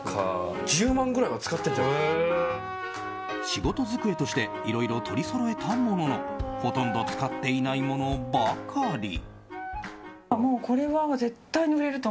仕事机としていろいろ取りそろえたもののほとんど使っていないものばかり。